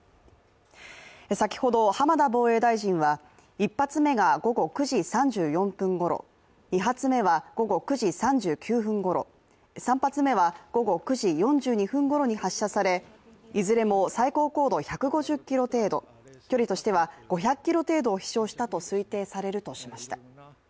先ほど浜田防衛大臣は、１発目が午後９時３４分ごろ、２発目は午後９時３９分ごろ３発目は午後９時４２分ごろに発射されいずれも最高高度１５０ｋｍ程度、距離としては、５００ｋｍ程度を飛しょうしたと推定されるとしました。